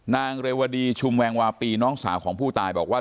นางเรวดีชุมแวงวาปีน้องสาวของผู้ตายบอกว่า